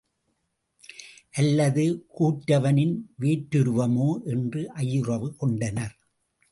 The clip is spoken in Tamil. அல்லது கூற்றுவனின் வேற்றுருவமோ? என்று ஐயுறவு கொண்டனர்.